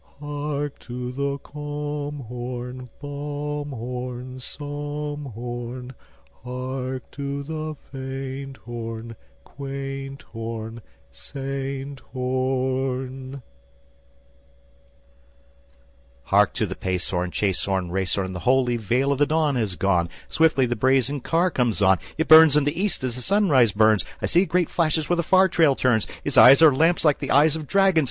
Hark to the calm horn, balm horn, psalm horn. Hark to the faint horn, quaint horn, saint horn.... # To be sung or read with great speed. # Hark to the pace horn, chase horn, race horn. And the holy veil of the dawn has gone. Swiftly the brazen car comes on. It burns in the East as the sunrise burns. I see great flashes where the far trail turns. Its eyes are lamps like the eyes of dragons.